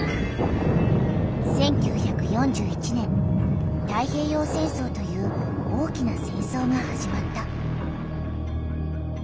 １９４１年太平洋戦争という大きな戦争がはじまった。